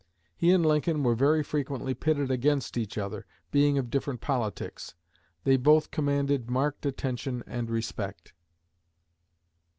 He and Lincoln were very frequently pitted against each other, being of different politics. They both commanded marked attention and respect."